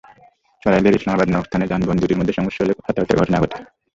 সরাইলের ইসলামাবাদ নামক স্থানে যানবাহন দুটির মধ্যে সংঘর্ষ হলে হতাহতের ঘটনা ঘটে।